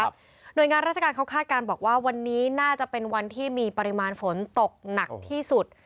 หน่วยงานราชการเขาคาดการณ์บอกว่าวันนี้น่าจะเป็นวันที่มีปริมาณฝนตกหนักที่สุด